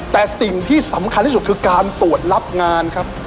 แต่สิ่งที่สำคัญที่สุดคือการตรวจรับงานครับ